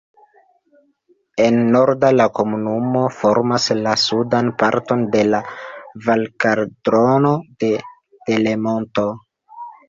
En nordo la komunumo formas la sudan parton de la Valkaldrono de Delemonto.